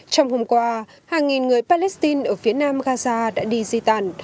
trong hôm qua hàng nghìn người palestine ở phía nam gaza đã đi di tản